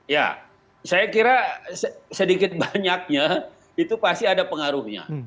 ya saya kira sedikit banyaknya itu pasti ada pengaruhnya